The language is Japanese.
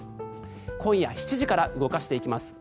今夜７時から動かしていきます。